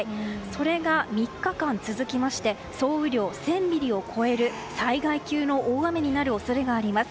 それが３日間続きまして総雨量１０００ミリを超える災害級の大雨になる恐れがあります。